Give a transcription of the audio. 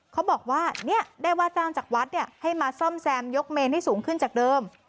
เขาบอกว่าได้ว่าจ้างจากวัดให้มาซ่อมแซมยกเมนให้สูงขึ้นจากเดิม